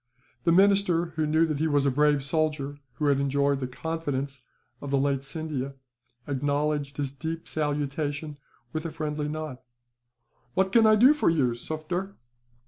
The minister, who knew that he was a brave soldier, who had enjoyed the confidence of the late Scindia, acknowledged his deep salutation with a friendly nod. "What can I do for you, Sufder?"